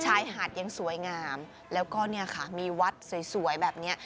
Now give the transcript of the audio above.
ชายหาดยังสวยงามแล้วก็เนี่ยค่ะมีวัดสวยแบบเนี้ย